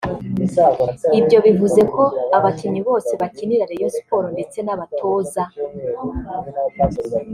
Ibyo bivuze ko abakinnyi bose bakinira Rayon Sports ndetse n’abatoza